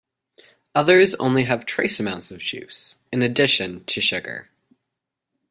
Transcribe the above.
Others only have trace amounts of juice, in addition to sugar.